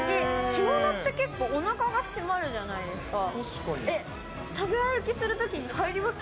着物って結構、おなかが締まるじゃないですか。